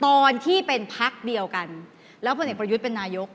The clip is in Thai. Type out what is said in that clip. ตอนที่เป็นพักเดียวกันแล้วพลเอกประยุทธ์เป็นนายก